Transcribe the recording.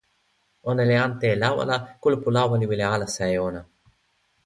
ona li ante e lawa la, kulupu lawa li wile alasa e ona.